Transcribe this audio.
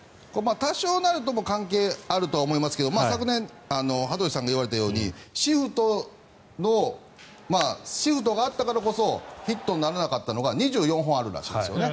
多少なりとも関係あると思いますけれど昨年、羽鳥さんが言われたようにシフトがあったからこそヒットにならなかったのが２４本あったんですね。